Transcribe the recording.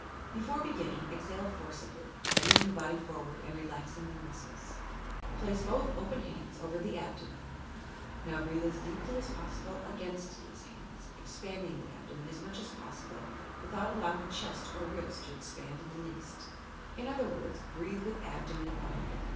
Before beginning, exhale forcibly, bending the body forward, and relaxing the muscles. Place both open hands over the abdomen. Now breathe as deeply as possible against these hands, expanding the abdomen as much as possible, without allowing the chest or ribs to expand in the least. In 64 YOUR PSYCHIC POWERS other words, breathe with abdomen only.